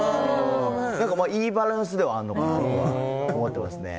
だから、いいバランスではあるのかなと思ってますね。